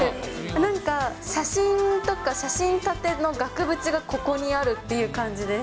なんか、写真とか写真立ての額縁がここにあるっていう感じです。